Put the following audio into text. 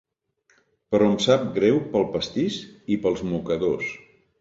Però em sap greu pel pastís i pels mocadors.